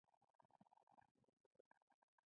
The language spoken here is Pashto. سپی داسې رفتار کوي لکه ټول کور چې د ده په واک کې وي.